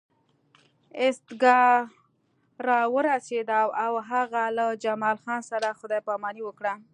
ایستګاه راورسېده او هغه له جمال خان سره خدای پاماني وکړه